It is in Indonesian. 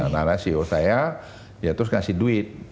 nana ceo saya ya terus ngasih duit